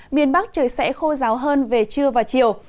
miền bắc trời sẽ khô ráo hơn về trưa và chiều